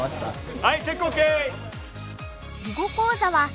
はいチェックＯＫ！